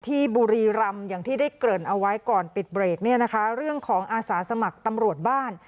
บุรีรำอย่างที่ได้เกริ่นเอาไว้ก่อนปิดเบรกเนี่ยนะคะเรื่องของอาสาสมัครตำรวจบ้าน